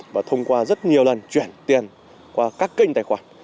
và thông qua rất nhiều lần chuyển tiền qua các kênh tài khoản